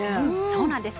そうなんです。